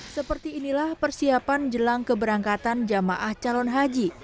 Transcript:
seperti inilah persiapan jelang keberangkatan jamaah calon haji